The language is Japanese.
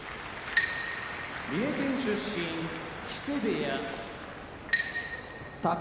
三重県出身木瀬部屋宝